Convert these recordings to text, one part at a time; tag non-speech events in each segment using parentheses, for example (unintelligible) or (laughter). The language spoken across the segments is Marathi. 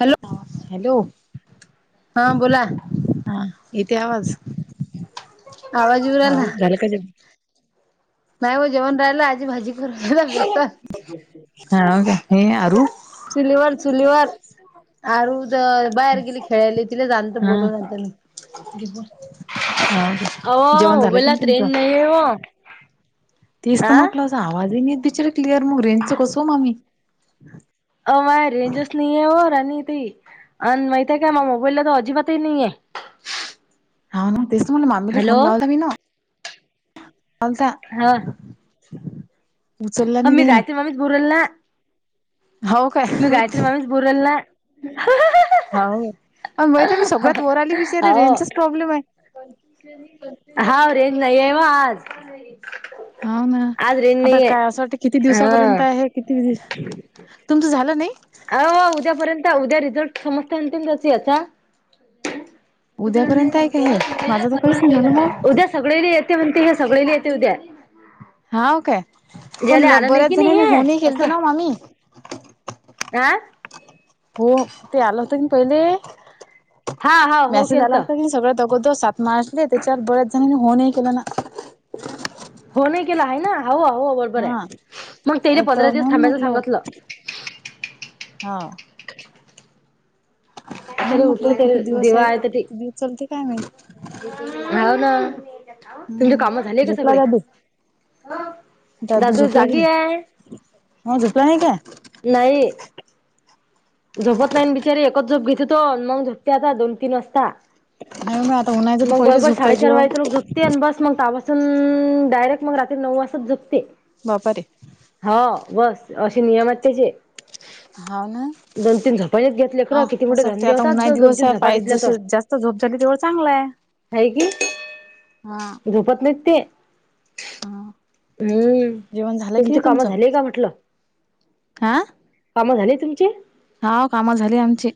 हॅलो. हॅलो. हा बोला. हा येते आवाज? आवाज येऊ हा राहिला झालं का जेवण? नाही हो जेवण राहिला आजी भाजी करुन राहिल्या बेसन. हाव का हे आरु चुली वर, चुली वर. आरू द बाहेर गेली खेळायला तिलेच आणतो हा बोलून आता मी. घे बोल हा ओके अव जेवण झालं की मोबाईलात तुमचं? रेंज नाहीये व. तेच तर म्हटलं असं आवाजे येत नाहीेत बिचार क्लिअर मग रेंजच कसो अ मम्मी? अ माय रेंजच नाही आहेे व राणि ताई आणि माहित आहे काय मा मोबाईलला तर अजिबातही नाहीये. हा ना तेच त म्हणल माम्मीला हॅलो फोन लावता मी ना लावलता. हा उचलला हा नाही मी ताईनं गायत्री मामीच बोलु राहिली ना. हाव मी काय गायत्री मामीच बोलु राहिली ना. हो माहित आहे मी सगळ्यात वर आली बिचारे रेंजचाच प्रॉब्लेम आहे. हा रेंज नाही येव आज. हाव ना आज रेंज आता नाहीये काय असं वाट किती दिवसा पर्यंत हा आहे किती तुमचं झालं नाही? अह उद्या पर्यंत उद्या रिझल्ट समजते ना अंतिम याचा. रिझल्ट नाही उद्यापर्यंत आहे का समज हे उद्या, माझं तर पर्वा काहीच नाही झालं येणार मग आहे उद्याच सगळ्यायला येते म्हणते हे सगळ्यायला येते उद्या. हाव काय ज्याले पण आलं नाही की बऱ्याच नाही जणींना हे होणही गेलत ना मामी. आं? हो ते आलं होत की पहिले हा हा हो मॅसेज केलत आला होता की सगळ्यात अगोदर सात मार्च ले त्याच्यात बऱ्याच जणांनी होनही गेलं ना. होनही गेल हाय ना? हाव, हाव व बर आहे हा मग त्यायले तर पंधरा दिवस म्हणून थांबायच सांगतलं. हा‌. हो त्याले म्हटलं उठू हे किती ते दिवसय दिवा आहे तर ते किती दिवस चालते काय माहीत. हाव ना, तुमचे हम्म काम झाले का झोपला सगळे? दादू दादू झोपलाय की जागी आहे नाही? म झोपला नाही का? नाही. झोपत नाही ना बिचारे एकच झोप घेतो तो मंग झोपते आता दोन, तीन वाजता. नाही आता उन्हायचं तर मग पहिले बरोबर झोप पाहिजे साडेचार हो वाजेतरोक झोप तेन आणि बस मग त्यापासून डायरेक्ट मग रात्री नऊ वाजतात झोपते. बापारे. हो बस, अशे नियमात आहेत त्याचे. हाव ना. दोन तीन झोपायच घेत ह लेकरं किती मोठे असं वाटते धंदे आता होतात उन्हा जर दोन दिवस तीन आहे झोपा पाय घेतल्या तर. जसं जास्त झोप झाली तेवढ चांगलाय. हाय की, झोपत नाहीत ते. (unintelligible) हम्म, जेवण झालं की तुमचे नाही काम तुमचं झाले का म्हटलं? कामं झाले तुमचे? हा काम झाले आमचे.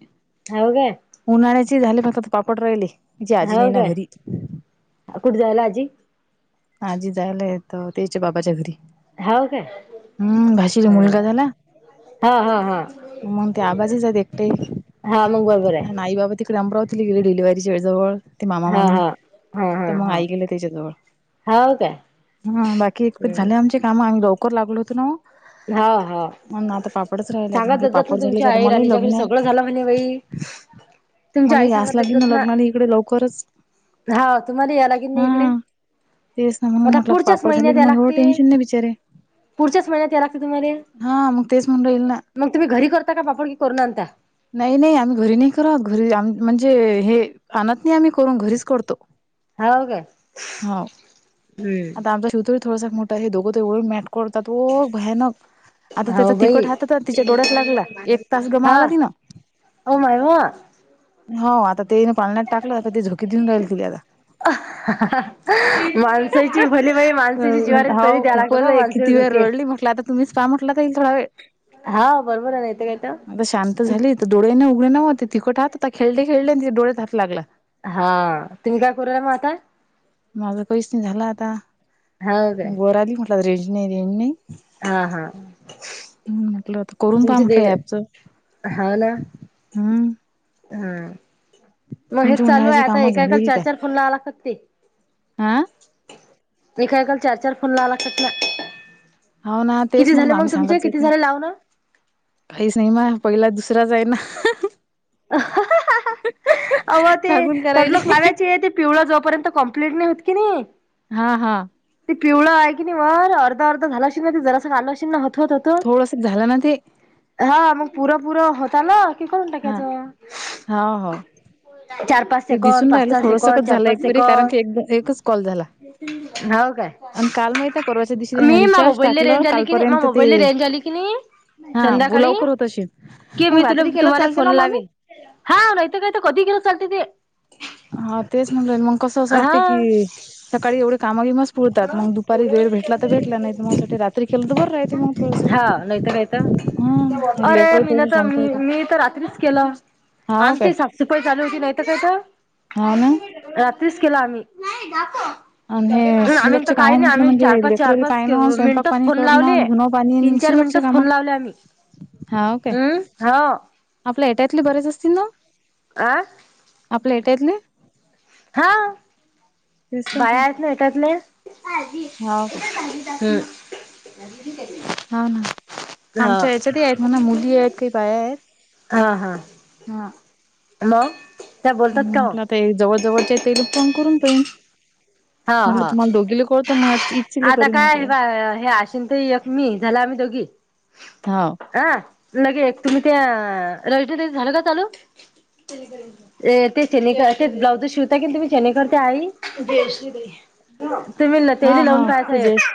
हाव काय. उन्हाळ्याचे झाले बगा आता ते पापड राहिले. तिची आजी नाही होव ना काय घरी कुठं जायला आजी आजी जायलायतं तेच्या बाबाच्या घरी. हाव काय? हम्म भाषीला हा मुलगा झाला. हा हा हा मंग ते आबाजीच आहेत एकटे हा मग बरोबर अन आहे आईबाबा तिकडे अमरावतीला गेले डिलिवारीच्या वेळी जवळ ते मामा हा मामी हा. हा हा तर मग हा आई गेले तीच्याजवळ. हाव काय. हम्म बाकी इतक्यात हम्म झाले आमचे कामं आम्ही लवकर लागलो होतो ना ओ. हा हा मंग आता पापडच राहिल्यात सांगा मग हे दजत ना पापड झाले की तुमच्या आता आई मलाही राणीच्या घरी लग्न हाय. सगळं झालं म्हणे बाई तुमच्या मला आई ही सांगत याच लागेल ना दजत लग्नाले इकडे लवकरच हा तुम्हाला या लागेल ना हा. इकडे तेच ना म्हणून म्हटलं आता पुढच्याच पापड झाले महिन्यात ना या मग बाबा लागते टेन्शन नाही बिचारे. पुढच्याच महिन्यात या लागते तुम्हाला हा मग तेच म्हणलं ईल ना. मग तुम्ही घरी करता का पापड की करून आनता नाही नाही आम्ही घरी नाही करत घरी आम म्हणजे हे आणत नाही आम्ही करून घरीच करतो. हाव काय हाव आता आमचा शिव तो ही थोडासा मोठा आहे दोघं ते वळून मॅट करतात ओ भयानक. आता त्याचा हाव बाई तिखट हात आता तिच्या डोळ्यात लागला एक तास गमावला तिनं. होम हाय वं. हो आता ते ना पाळण्यात टाकलं आता ती झोके देऊन राहिली तिले आता. माणसाची भले बाई अ माणसाची जिवारी तरी हो द्या लागतात खूपच हं आहे माण किती वेळ रडली म्हटलं आता तुम्हीच पहा म्हटलं आता इल थोडा वेळ. हाव बरोबर आहे ना येते का इथं. त झाली इथं डोळे नं उघडे नव्हते तिकट हात होता खेळले खेळले न तिच्या डोळ्यात हात लागला. हा तुम्ही काय करू लागला मग आता माझं कहीच नाही झालं आता हाव काय वर आली म्हंटलं रेंज नाय रेंज नाय. हा हा हम्म म्हटलं आता करून पहा तुमची दे म्हटलं ह्या ॲप चं. हाव ना. हम्म हा मग हेच तुमची चालू आहे उन्हाळ्याची आता कामं झाली एकएकाला की चार काय चार फोन लावावं लागतात ते. हा एका एकाला चार चार फोन लावावे लागतात ना. हो ना तेच किती मला झाले मामी मग तुमचे किती झाले लाऊनं. काही नाही माझा पहिला दुसराच आहे ना. अवं ते सांगून थोडं करायली लोक लागायचे ते पिवळं जोपर्यंत कम्प्लीट नाही होत की नाही हा हा ते पिवळं आहे की नाही वर अर्धं अर्धं झालं अशीन ना ते जरासं झालं अशीन ना हप होता तून थोडस झालं ना ते हा मग पुरंपुरं होत आलं की करून हा टाकायचं. हो हो चार पाच ते सेकंद दिसून पाच राहिलं सहा सेकंद थोडसकच चार झालं पाच एक परी कारण सेकंद. की एक एकच कॉल झाला हो काय आणि काल माहित आहे परवाच्या दिवशी त्याने मी इन ना रिचार्ज मोबाईलले टाकलं रेंज आली की नाही माझ्या कालपर्यंत ते मोबाईलले रेंज आली कि नाही हा संध्याकाळी लवकर होत अशील कि मी मग तुला रात्री केलं तुम्हाले चालते फोन ना मामी लावेल. हा नाहीतर कायतर कधी गेलं तर चालते ते. हा तेच म्हणलं, मग कसं असं हा वाटते की, सकाळी एवढे काम बी मास पुळतात मग दुपारी वेळ भेटला तर भेटला नाही, मग सा रात्री केलं तर बरं राहे मग थोडस. हा नाहीत काय तर अरे मी ना तर, मी, मी तर रात्रीच केलं. हा काय. सुपई चालू होती नाहीत कायत, हाव ना रात्रीच केला आम्ही. आणि हे आम्ही तर शिल्लकचे काय काम नाही म्हटलं आम्ही म्हणजे चार- पाच, चार लेकरले -पाच पाहिणं स्वयंपाक मिनटच पाणी फोन लावले करणं धुनं पाणी तीन -चार मिनट शिल्लकचे काम फोन लावले आम्ही, हाव काय हम्म होव आपल्या हेट्यातले बरेच असतील ना? आं आपले हेट्यातले. हां तेच तर आपलं बाया हेत ना हेट्यातले, भाजी हाव काय एकच भाजी टाकली, हम्म. (inaudible) हा ना. हा आमच्या यायाच्यात आहेत म्हणा, मुली आहेत काही बाया आहेत हहं म त्या बोलतात का मग ते जवळ, जवळच्या तेली फोन करून पाहिन ह, म्हटलं ह तुम्हाला दोघीले कळतं म इचीले आता करीन काय म्हटलं. हे आशीन ते एक मी झाला आम्ही दोघी, हाव हां लगे तुम्ही त्या, राधिका ताई झाल का चालू? अ, त्याच्यानी तेच ब्लाउज शिवता की चणे करतात तुम्ही हा हा. आई. तेजेश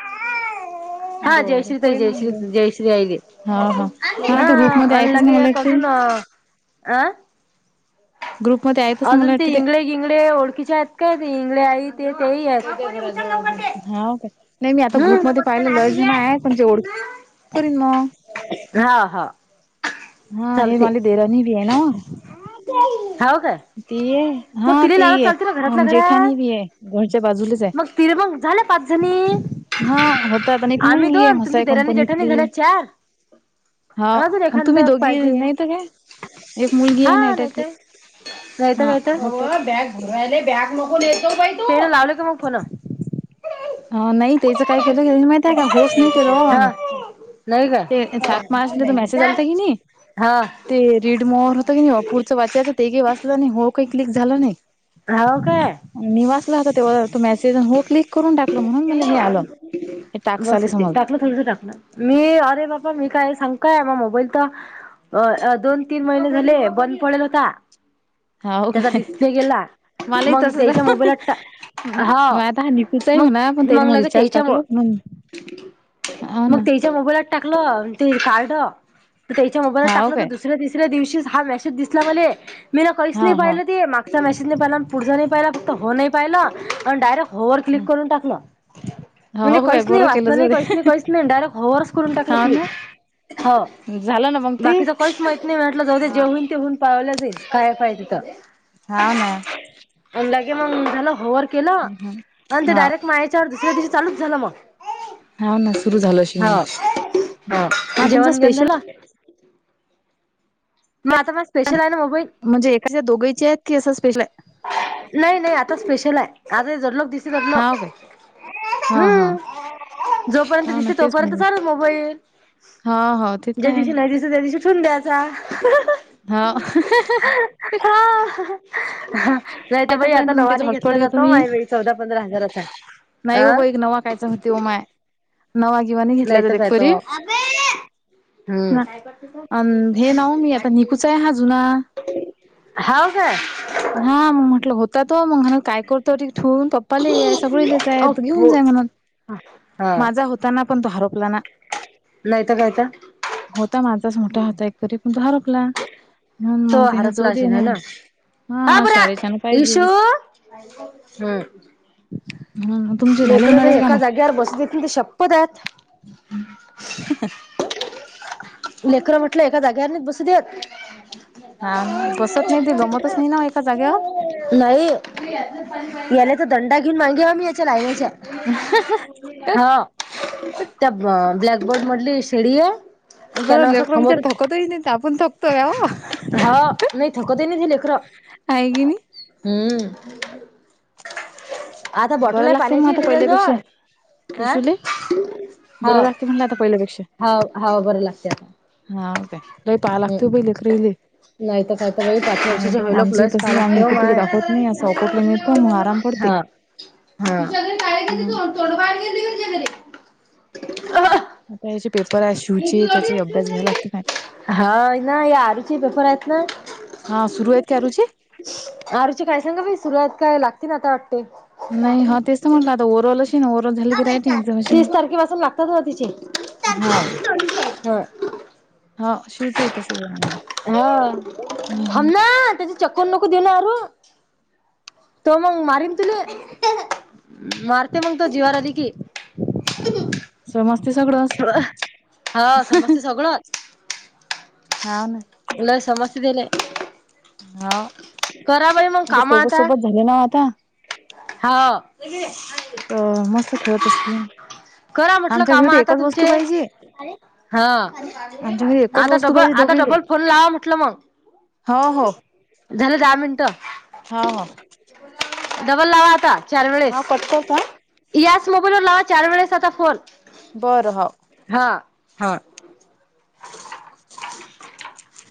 (unintelligible) हा बरं जयश्री ताई, पहिन जयश्री म्हणलं. जयश्री आइले हा हा हा ते ग्रुपमध्ये अन आहेतच लगे ना मला एक वाटते अजून अ, आं ग्रुपमध्ये आहेतच ना मला अजून ते वाटते इंगळे इंगळे ओळखीच्या आहेत काय ते? इंगळे आई ते तेही आहेत हाव का, नाही मी आता ग्रुप मध्ये हम्म पाहिलं लयजण हाय म्हणजे ओळख (unintelligible) करीन मग. हा हा. हा हे चालते मला देराणी भी आहे ना. हाव का तिही ये हा, तिहिये, जेठाणी घरात बी हे, घरच्या बाजूलाच हाय मग तिरे मग झाल्या पाच जणी हा होतात, आणि एक आम्ही मुलगी हाय दोन तुमची म्हसाय देराणी जेठाणी कंपनीतली. झाल्या चार हा, अजून आणि तुम्ही एखादा दोघी पाहिजे नाही तर काय, एक मुलगी हाय नात्यातली जायचं कत बॅग भरू राहिले, बॅग नको नेत जाऊ बाई तु, तेन लावले काय मग फोन? हा नाही त्याचं काय केलं माहितीय का, होस नाही केलं हो हा आम्ही. नाही काय ते सात मार्चलात मेसेज बँकेचा आलत कीनी हा. ते, रीड मोर होत की नाही, पुढचं वाचायच तेे वाचलं की नाही, हो काही क्लिक झाला नाही, हो काय मी वाचलं होतं तेव्हा तो मेसेज हो क्लिक करून टाकल, म्हणून मला हे आलं, हे टाकस बस आले होते समजल. टाकलं थोडस टाकलं, मी अरे बापा मी काय सांगतय काय मोबाईल त अ, दोन, तीन महिने झाले बंद पडेल होता, हाव त्याचा काय डिस्प्ले गेला. मलाही मग तसच त्याच्या हाय मोबाईलात टा मग आता हा निकूच आहे मग म्हणा, पण त्याने मग म लगे रीचाज त्याच्या टाकलं मग म्हणून हाव ना. च्या मोबाईलात टाकलं ते कारड, त्याच्या मोबाईलात हाव टाकलं द काय दुसऱ्या तिसऱ्या दिवशीच हा मेसेज दिसला मले, मी कहीच हा नाही पाहिल मागचा मेसे हि पुढ नाही पाहिला फक्त हो नाही पाहिला, आणि डायरेक्ट हो वर क्लिक करून टाकलं. हा म्हणजे हो काय कहीच नाही बरं केलं वाचलं जाऊ नाही, कहीच नाही दे कहीच नाही, डायरेक्ट हो वरच करून टाकलं हाव क्लिक. ना हो, झालं ना मग ते बाकीच काहीच माहीत नाही, मी म्हटल जाऊदे काय हा होईल ते होईल. पावलं जाईल, काय (unintelligible) तिथ. हाव ना. आणि लगे मग झालं हो वर केलं, आणि ते हा डायरेक्ट माय चार दुसऱ्या दिवशी चालूच झालं मग. हाव ना सुरू झालं हो अशील मग. हो, मग तेन तुमचा जेवण स्पेशल झालं? म आता म म्हणजे एखाद्या दोघांची आहेत, की असं स्पेशल हाय. नाही नाही आता स्पेशल हाय, आज (unintelligible) दिसे हाव काय (unintelligible) हा हा. हम्म जोपर्यंत हा ना दिसते तेच तोपर्यंत म्हणले चालुय मोबाईल, हा हा ते तर ज्या आहे दिवशी नाही दिस त त्या दिवशी ठिऊन द्याचा. हा. हा. नाही तर बाई आता आतापर्यंत मग त्याचा नवानी घेतल्या हॉटस्पॉट घेतो जातो, मी माय बाई चौदा पंधरा हजाराचा. नाही हो अ बाई, एक नवा कायचा होती ओ माय, नवा गीवानी घेतल्या नाही जात तर एक काय तो परी. हम्म, काय करते तु? अन हे नाव मी आता निकूच आहे (unintelligible) हा जुना हाव काय. हा, मग म्हटलं होत त तव मगण काय करतो ते ठुन, (unintelligible) सगळी ले जाय, घेऊन ओपो जाय म्हणून, हा. माझा होताना पण तो हरपला ना. नाहीतर कायतर. होता माझाच मोठा होता, एककरी पण तो हरपला, म्हणून मग त्याने जाऊदे ने. हपोरा इशु, हम्म. हम्म तुमचे झाले लेकरं बी उन्हाळ्याचे एका कामं? जाग्यावर बसली तील शपथ आहेत. (unintelligible) लेकर म्हटलं एका जाग्याने नाही बसु देत. हा ना बसत नाही ते, गमतच नाही ना एका जाग्यावर. नाही, याला तर दंडा घेऊन मागेवा मी याच्या लाईनाच्या. (unintelligible) हो त्या ब्लॅकबोर्ड मधली शेडी हे. बर ले (unintelligible) थकतही नाही आपण थकतो याव. हा नाही थकवते नाही ते लेकरं हाय कणी? हम्म. आत बॉटल बरं आहे लागते मग पाण्याची आता त्याच्या पहिल्यापेक्षा जवळ अं. क्रिशूले बरं लागतय म्हटलं आता पहिल्यापेक्षा. हाव हाव बरं लागतय आता. हाव काय लई (unintelligible) लागतय बाई (unintelligible) नाहीत काय तर बाई पाच नाही वर्षाचे तर आमचंही तसंच आम्ही (unintelligible) इकडे तिकडे माय दाखवत नाही असं अकोटले नेतो मग आराम पडते हा (unintelligible) (inaudible) हा तु कायोड गेली घडे (inaudible) शिवचे त्याचा अभ्यास घ्यायला लागते काय हा ना या आरूचे पेपर आहेत ना. हा, सुरूवात करायची. आरुचे काय सांगा सुरत काय लागते ना आता वाटते. नाही हा तेच तर म्हटलं आता ओरल अशी ना ओरल झालं की रायटिंग एक्झाम तीस तारखेपसून लागतात ना तिची. हां. हा शीवच ही तसंच. ह हम्म थाम ना ते चक्कर नको देऊ नका. तो मग मारीन तुला, मारते मग तो जीवाराधी की. समसतय सगळं. हा समस्ते सगळं. हा ना. लय समस्ते तिला. हा! बाई मग ते काम सोबत, आता. सोबत झाले ना आता. हा... तर मस्त खेळत असते. करा म्हटलं काम आता तुमचे. पाहिजे. हा! आमच्या घरी एकच आता वस्तू डबल, पाहिजे आता दोघीले. डबल फोन लावा म्हटलं मग. हो हो. झालं दहा मिनट. हो, हो, डबल लावा आता चार हा वेळेस कट करतो हा. याच मोबाईल लावा चार वेळेस आता फोन. बरं ह. हा! हा! (inaudible)